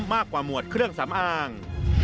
มากกว่าหมวดเครื่องสำอาง